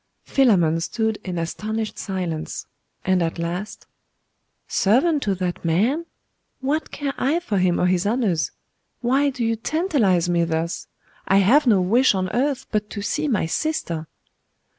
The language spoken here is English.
Philammon stood in astonished silence; and at last 'Servant to that man? What care I for him or his honours? Why do you tantalise me thus? I have no wish on earth but to see my sister!